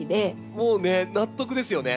もうね納得ですよね。